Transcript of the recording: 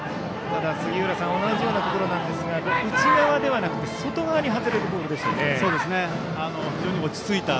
ただ、杉浦さん同じようなところですが内側ではなくて外側に外れるボールでした。